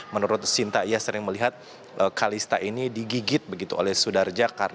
menurut sinta ia sering melihat kalista ini digigit begitu oleh sudarja